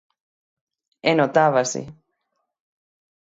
E notábase!